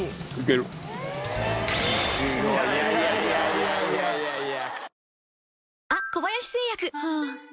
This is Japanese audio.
いやいやいやいや。